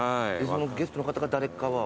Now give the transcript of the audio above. そのゲストの方が誰かは？